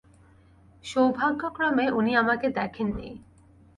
সৌভাগ্যক্রমে উনি আমাকে দেখেননি।